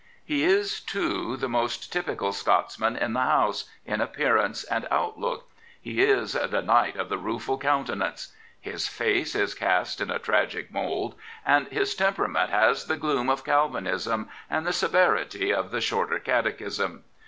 He is, too, the most typical Scotsman in the House, in appearance and outlook. He is " ^e Knight of the Rueful Countenance." His face is cast in alragic 83 Prophets, Priests, and Kings mould, and bis temperament has the gloom of Calvinism and the severity of the Shorter Catechism.